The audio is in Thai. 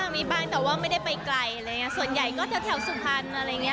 มีบ้างแต่ว่าไม่ได้ไปไกลอะไรอย่างนี้ส่วนใหญ่ก็แถวสุพรรณอะไรอย่างนี้